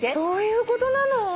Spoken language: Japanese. そういうことなの？